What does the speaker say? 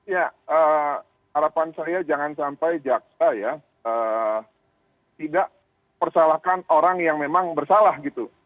ya harapan saya jangan sampai jaksa ya tidak persalahkan orang yang memang bersalah gitu